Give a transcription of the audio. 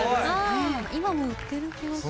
今も売ってる気がする。